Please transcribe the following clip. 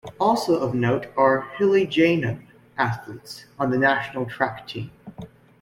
Also of note are Hiligaynon athletes on the national track team.